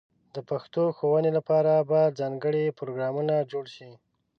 د پښتو ښوونې لپاره به ځانګړې پروګرامونه جوړ شي.